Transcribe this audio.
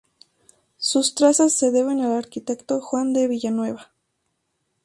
Sus trazas se deben al arquitecto Juan de Villanueva.